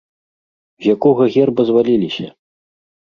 З якога герба зваліліся?